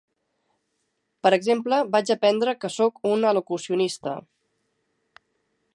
Per exemple, vaig aprendre que sóc un alocucionista.